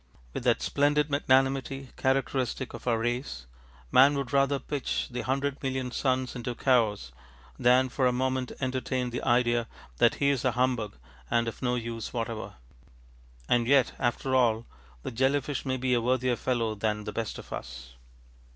With that splendid magnanimity characteristic of our race, man would rather pitch the hundred million suns into chaos than for a moment entertain the idea that he is a humbug and of no use whatever. And yet after all the jelly fish may be a worthier fellow than the best of us.